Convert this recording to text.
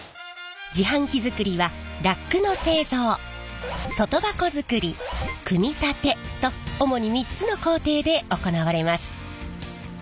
自販機作りはラックの製造外箱作り組み立てと主に３つの工程で行われます。